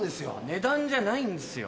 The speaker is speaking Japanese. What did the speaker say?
値段じゃないんですよ。